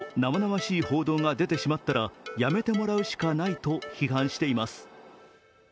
公明党関係者は、あそこまでの生々しい報道が出てしまったら辞めてもらうしかないと批判しています。